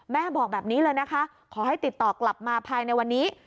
แม่บอกแบบนี้เลยนะคะขอให้ติดต่อกลับมาภายในวันนี้